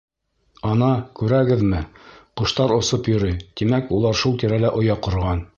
Ана, күрәһегеҙме, ҡоштар осоп йөрөй; тимәк, улар шул тирәлә оя ҡорған.